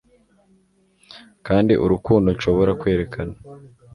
kandi urukundo nshobora kwerekana